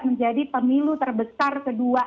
menjadi pemilu terbesar kedua